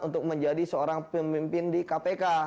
untuk menjadi seorang pemimpin di kpk